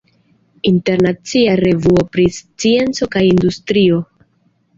Internacia revuo pri scienco kaj industrio.